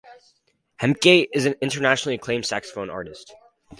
Hemke is an internationally acclaimed saxophone artist.